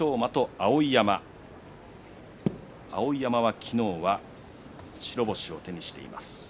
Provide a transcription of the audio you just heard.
碧山は昨日は白星を手にしています。